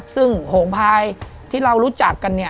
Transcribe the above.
ซึ่งโหมพลายที่เรารู้จักกัน